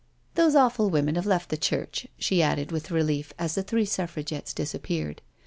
Those awful women have left the church/' she added with relief as the three Suffragettes disappeared.